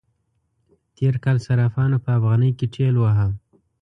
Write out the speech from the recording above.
تېر کال صرافانو په افغانی کې ټېل واهه.